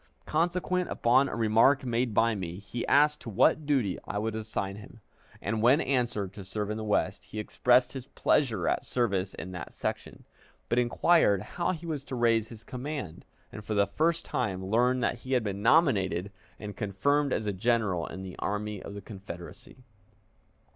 Consequent upon a remark made by me, he asked to what duty I would assign him, and, when answered, to serve in the West, he expressed his pleasure at service in that section, but inquired how he was to raise his command, and for the first time learned that he had been nominated and confirmed as a general in the Army of the Confederacy.